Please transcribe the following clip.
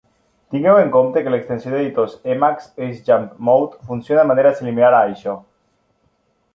Tingueu en compte que l'extensió d'editors Emacs "Ace jump mode" funciona de manera similar a això.